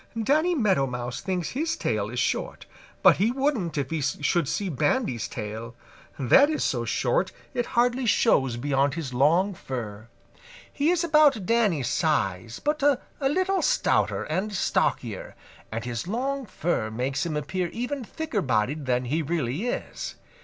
"Danny Meadow Mouse thinks his tail is short, but he wouldn't if he should see Bandy's tail. That is so short it hardly shows beyond his long fur. He is about Danny's size, but a little stouter and stockier, and his long fur makes him appear even thicker bodied than he really is.